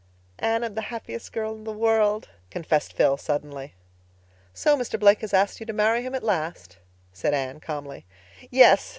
"Anne, I'm the happiest girl in the world," confessed Phil suddenly. "So Mr. Blake has asked you to marry him at last?" said Anne calmly. "Yes.